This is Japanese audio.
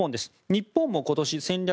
日本も今年、戦略